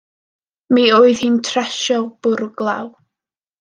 Mi oedd hi'n tresio bwrw glaw.